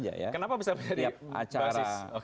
kenapa bisa menjadi basis